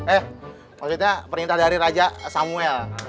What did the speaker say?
eh maksudnya perintah dari raja samuel